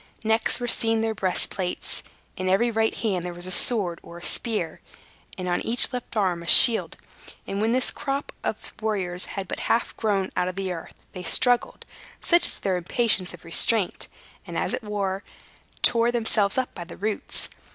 Next were seen their bright breastplates; in every right hand there was a sword or a spear, and on each left arm a shield; and when this strange crop of warriors had but half grown out of the earth, they struggled such was their impatience of restraint and, as it were, tore themselves up by the roots.